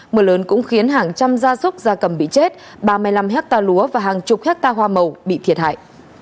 mưa lớn cũng khiến hàng trăm gia súc gia cầm bị chết ba mươi năm hectare lúa và hàng chục hectare hoa màu bị thiệt hại